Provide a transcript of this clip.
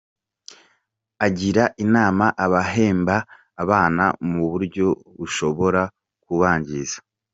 Agira inama abahemba abana mu buryo bushobora kubangiza.